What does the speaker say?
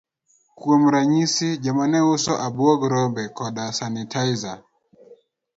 Kuom ranyisi, joma ne uso abuog rombe koda sanitaisa.